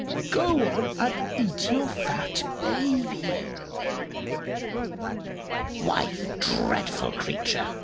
"Go on and eat your fat baby." "Why, you dreadful creature!"